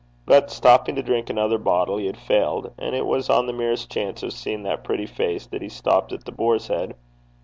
But stopping to drink another bottle, he had failed; and it was on the merest chance of seeing that pretty face that he stopped at The Boar's Head.